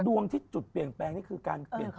ดวงที่จุดเปลี่ยนแปลงนี่คือการเปลี่ยน